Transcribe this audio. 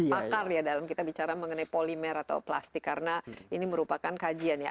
pakar ya dalam kita bicara mengenai polimer atau plastik karena ini merupakan kajian ya